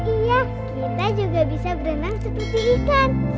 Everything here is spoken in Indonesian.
iya kita juga bisa berenang seperti ikan